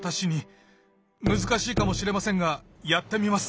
難しいかもしれませんがやってみます。